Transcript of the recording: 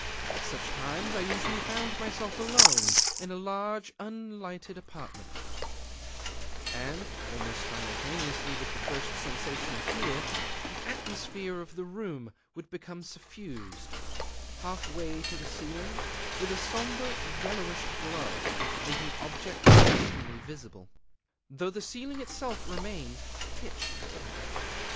At such times I usually found myself alone in a large unlighted apartment; and, almost simultaneously with the first sensation of fear, the atmosphere of the room would become suffused, half way to the ceiling, with a sombre yellowish glow, making objects dimly visible, though the ceiling itself remained pitch black.